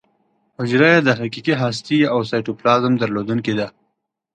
حجره یې د حقیقي هستې او سایټوپلازم درلودونکې ده.